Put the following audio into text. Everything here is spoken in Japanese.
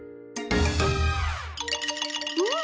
うん！